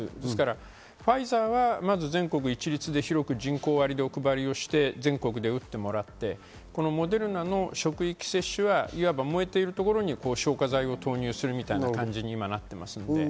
ですからファイザーは全国一律で広く人口割りでお配りをして、全国で打ってもらってモデルナの職域接種はいわば燃えてるところに消火剤を投入するということになっています。